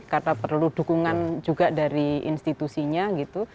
karena perlu dukungan juga dari institusinya gitu